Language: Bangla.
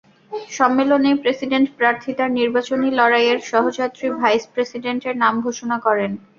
সম্মেলনেই প্রেসিডেন্ট প্রার্থী তাঁর নির্বাচনী লড়াইয়ে সহযাত্রী ভাইস প্রেসিডেন্টের নাম ঘোষণা করেন।